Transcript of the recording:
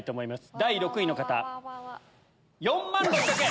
第６位の方４万６００円。